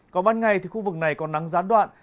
còn ban ngày thì khu vực này còn nắng gián đoạn